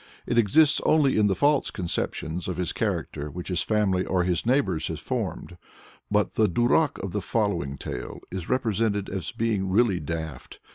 It exists only in the false conceptions of his character which his family or his neighbors have formed. But the duràk of the following tale is represented as being really "daft."